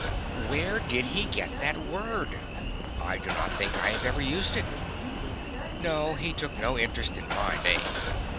Where did he get that word? I do not think I have ever used it. No, he took no interest in my name.